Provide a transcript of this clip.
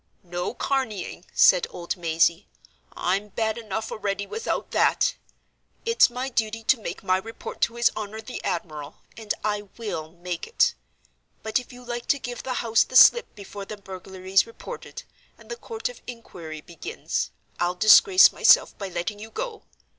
"No carneying!" said old Mazey; "I'm bad enough already, without that. It's my duty to make my report to his honor the admiral, and I will make it. But if you like to give the house the slip before the burglary's reported, and the court of inquiry begins, I'll disgrace myself by letting you go.